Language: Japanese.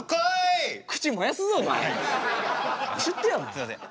すいません。